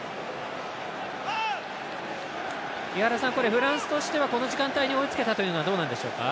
フランスとしてはこの時間帯に追いつけたというのはどうなんですか？